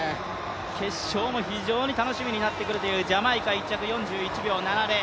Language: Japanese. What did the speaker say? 決勝も非常に楽しみになってくるジャマイカ、４１秒７０。